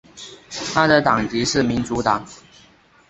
他的党籍是民主党。